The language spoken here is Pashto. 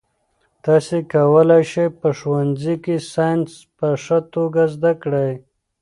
تاسي کولای شئ په ښوونځي کې ساینس په ښه توګه زده کړئ.